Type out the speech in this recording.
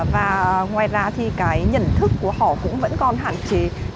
và ngoài ra nhận thức của họ vẫn còn hạn chế